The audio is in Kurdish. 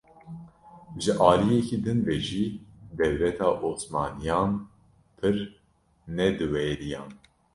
Ji aliyekî din ve jî dewleta osmaniyan pir ne diwêriyan.